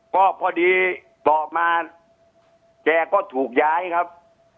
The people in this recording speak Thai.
ก็พอดีบอกมาแกก็ถูกย้ายครับ